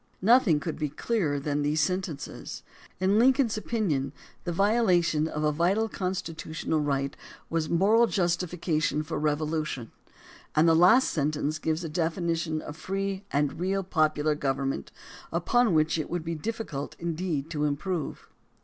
Nothing could be clearer than these sentences. In Lincoln's opinion the violation of a vital constitutional right was moral justification for revolution, and the last sentence gives a definition of free and real popular government upon which it would be difficult indeed to improve.